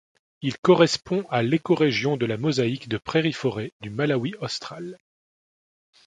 Il correspond à l'écorégion de la mosaïque de prairie-forêt du Malawi austral.